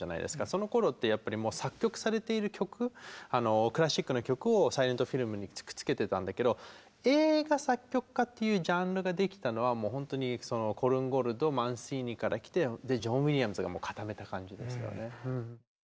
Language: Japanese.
そのころってやっぱりもう作曲されている曲クラシックの曲をサイレントフィルムにくっつけてたんだけど映画作曲家っていうジャンルができたのはもう本当にコルンゴルトマンシーニから来てでジョン・ウィリアムズがもう固めた感じですよね。